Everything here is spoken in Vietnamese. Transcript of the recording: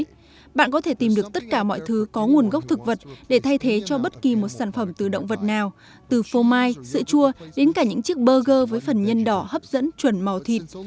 bạn có thể tìm được tất cả mọi thứ có nguồn gốc thực vật để thay thế cho bất kỳ một sản phẩm từ động vật nào từ phô mai sữa chua đến cả những chiếc burger với phần nhân đỏ hấp dẫn chuẩn màu thịt